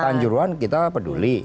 sama kanjuruhan kita peduli